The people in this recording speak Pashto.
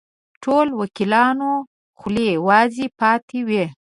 ټولو وکیلانو خولې وازې پاتې وې.